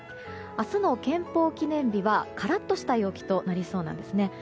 明日の憲法記念日はカラッとした陽気となりそうなんですね。